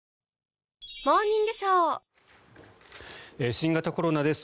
新型コロナです。